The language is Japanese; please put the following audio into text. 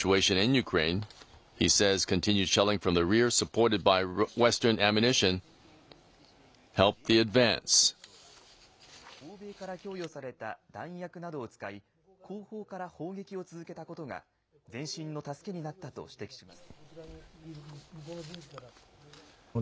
さらに、ウクライナの戦況を分析している自衛隊の元陸将は欧米から供与された弾薬などを使い後方から砲撃を続けたことが前進の助けになったと指摘します。